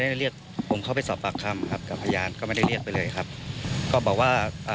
เดี๋ยวไปฟังคุณพ่อพูดตรงนี้หน่อยนะคะ